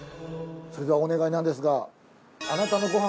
それではお願いなんですが。